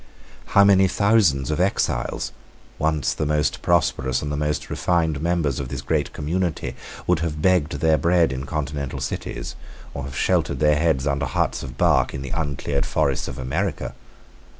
How many thousands of exiles, once the most prosperous and the most refined members of this great community, would have begged their bread in continental cities, or have sheltered their heads under huts of bark in the uncleared forests of America!